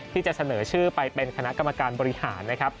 ที่จะเสนอชื่อไปเป็นคณะกรรมการบริหารนะครับ